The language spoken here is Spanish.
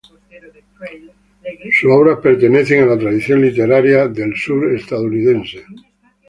Sus obras pertenecen a la tradición literaria del sur estadounidense.